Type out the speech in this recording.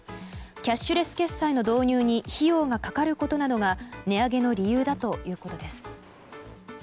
キャッシュレス決済の導入に費用がかかることなどが値上げの理由だということです。